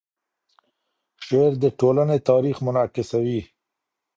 شعر د ټولنې تاریخ منعکسوي.